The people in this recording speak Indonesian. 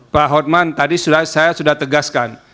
pak hotman tadi saya sudah tegaskan